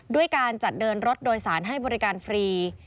ด้วยการจัดเดินรถโดยสารให้บริการฟรี